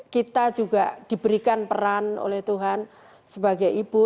kita juga diberikan peran oleh tuhan sebagai ibu